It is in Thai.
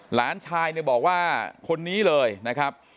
หลานชายเนี่ยบอกว่าคนนี้เลยนะครับ